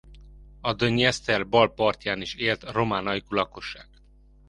A Dnyeszter bal partján is élt román ajkú lakosság.